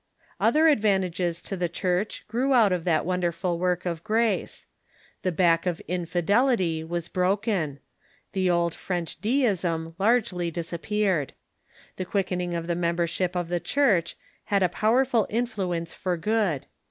Other advantages to the Church grew out of that wonderful work of grace. The back of infidelity was broken. The old French Deism largely disappeared. The quickening of the membership of the Church had a powerful influence for good.